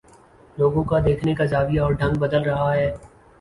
لوگوں کا دیکھنے کا زاویہ اور ڈھنگ بدل رہا ہے۔